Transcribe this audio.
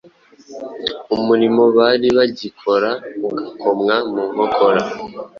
umurimo bari bagikora ugakomwa mu nkokora,